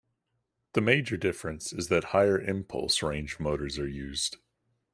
The major difference is that higher impulse range motors are used.